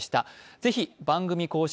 ぜひ番組公式